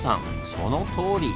そのとおり！